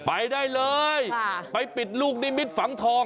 ไปได้เลยไปปิดลูกนิมิตฝังทอง